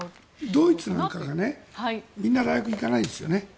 ドイツなんかはみんな大学行かないですよね。